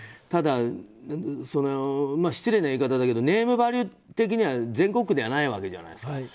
だけど失礼な言い方だけどネームバリュー的には全国区ではないわけじゃないですか。